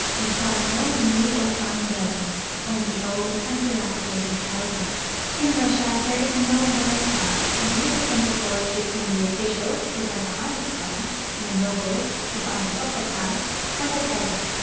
A\'e saw no new or fine buildings; only old and dilapidated houses. In Russia there is no nnddle class and little intercourse be tween the officials, who are the highest clas.s — the nobles, who are the upper class — and the peasants.